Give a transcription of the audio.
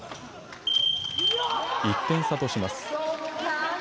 １点差とします。